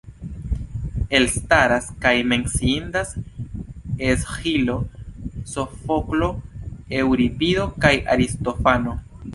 Elstaras kaj menciindas Esĥilo, Sofoklo, Eŭripido kaj Aristofano.